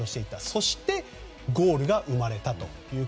そしてゴールが生まれたという。